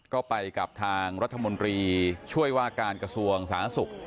ก็ไปกับทางรัฐมนตรีช่วยว่าการกระทรวงสาธารณสุข